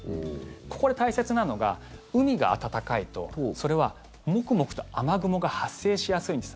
ここで大切なのが海が暖かいと、それはモクモクと雨雲が発生しやすいんです。